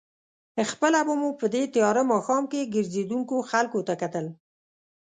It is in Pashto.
خپله به مو په دې تېاره ماښام کې ګرځېدونکو خلکو ته کتل.